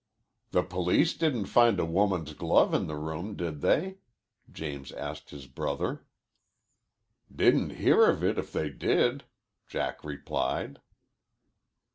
"The police didn't find a woman's glove in the room, did they?" James asked his brother. "Didn't hear of it if they did," Jack replied.